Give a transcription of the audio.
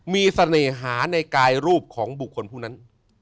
มีเสน่หาในกายรูปของบุคคลผู้นั้น